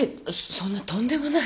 そんなとんでもない。